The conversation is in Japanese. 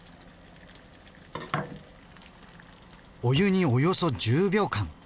お湯におよそ１０秒間。